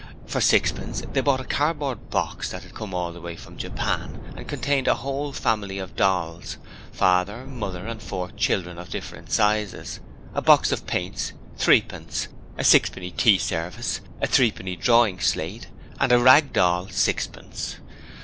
For sixpence they bought a cardboard box that had come all the way from Japan and contained a whole family of dolls father, mother and four children of different sizes. A box of paints, threepence: a sixpenny tea service, a threepenny drawing slate, and a rag doll, sixpence.